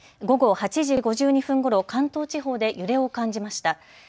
午後８時５２分ごろ、関東地方で揺れを感じました。